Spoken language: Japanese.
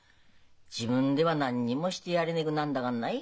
自分では何にもしてやれねぐなんだがんない。